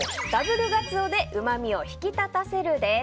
Ｗガツオでうま味を引き立たせる。